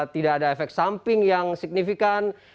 tidak ada efek samping yang signifikan